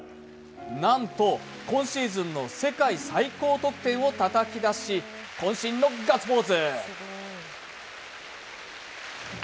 なんと、今シーズンの世界最高得点をたたき出しこん身のガッツポーズ。